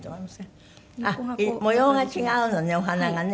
あっ模様が違うのねお花がね。